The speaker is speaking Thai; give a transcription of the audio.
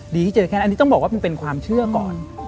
ที่เจอแค่นั้นอันนี้ต้องบอกว่ามันเป็นความเชื่อก่อน